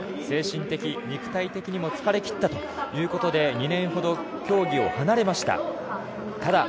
精神的、肉体的にも疲れ切ったということで２年ほど競技を離れました。